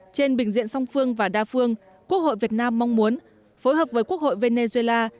trên bình diện song phương và đa phương quốc hội việt nam mong muốn phối hợp với quốc hội venezuela